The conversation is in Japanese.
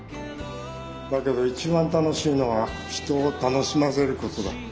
だけど一番楽しいのは人を楽しませることだ。